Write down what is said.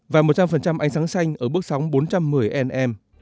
và một trăm linh ánh sáng xanh ở bước sóng bốn trăm một mươi mm nm